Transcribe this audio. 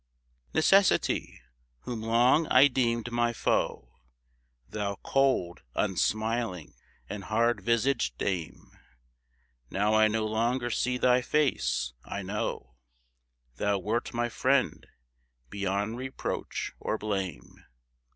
Necessity, whom long I deemed my foe, Thou cold, unsmiling, and hard visaged dame, Now I no longer see thy face, I know Thou wert my friend beyond reproach or blame.